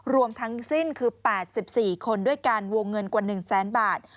รวมทั้งสิ้นคือ๘๔คนด้วยกันวงเงินกว่า๑แสนบาท